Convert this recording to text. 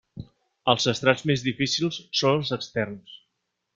Els estrats més difícils són els externs.